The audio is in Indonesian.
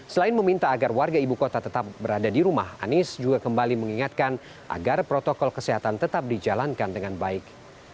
selain meminta agar warga ibu kota tetap berada di rumah anies juga kembali mengingatkan agar protokol kesehatan tetap dijalankan dengan baik